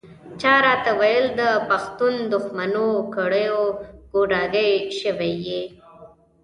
چا راته ویل د پښتون دښمنو کړیو ګوډاګی شوی یې.